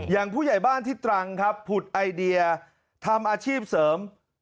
ผู้ใหญ่บ้านที่ตรังครับผุดไอเดียทำอาชีพเสริม